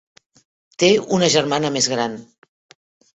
Té una germana més gran.